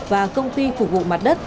và công ty phục vụ mặt đất